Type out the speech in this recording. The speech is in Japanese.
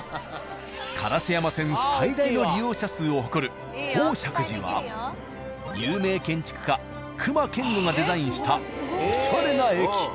烏山線最大の利用者数を誇る宝積寺は有名建築家隈研吾がデザインしたおしゃれな駅。